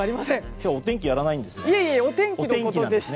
今日はお天気やらないんですか？